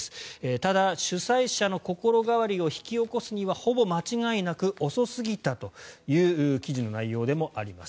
ただ、主催者の心変わりを引き起こすにはほぼ間違いなく遅すぎたという記事の内容でもあります。